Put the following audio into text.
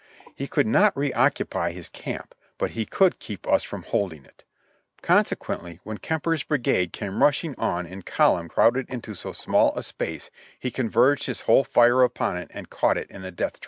He could not reoccupy his camp, but he could keep us from holding it ; consequently, when Kemper's brigade came rusliing on in column crowded into so small a space, he converged his whole fire upon it and caught it in a death trap.